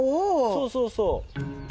そうそうそう。